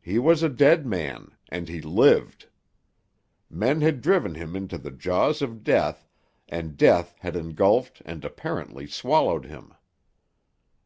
He was a dead man, and he lived. Men had driven him into the jaws of death, and death had engulfed and apparently swallowed him.